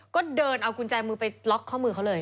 ก็เดินเอากุญแจมือไปล็อกข้อมือเขาเลย